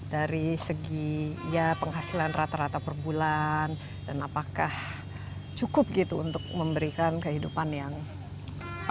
dari segi ya penghasilan rata rata per bulan dan apakah cukup gitu untuk memberikan kehidupan yang